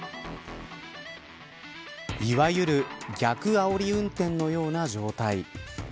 いわゆる逆あおり運転のような状態。